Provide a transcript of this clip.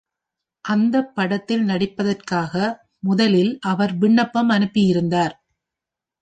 அந்தப் படத்தில் நடிப்பதற்காக முதலில் அவர் விண்ணப்பம் அனுப்பியிருந்தார்.